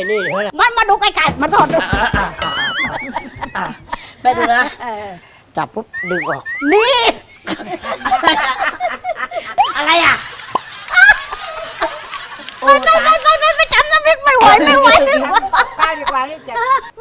โอ้ยนี่จ้ะไม่จำนั่นเขาไม่ไหว